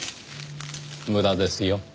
無駄ですよ。